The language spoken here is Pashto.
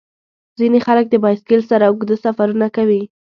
ځینې خلک د بایسکل سره اوږده سفرونه کوي.